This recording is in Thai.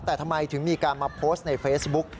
แต่ทำไมถึงมีการมาโพสต์ในเฟซบุ๊ก